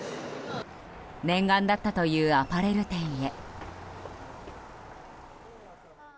念願だったというアパレル店へ。